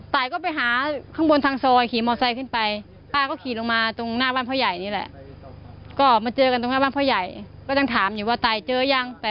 ตายก็ไปหาข้างบนทางซอยขี่มอไซค์ขึ้นไปป้าก็ขี่ลงมาตรงหน้าบ้านพ่อใหญ่นี่แหละ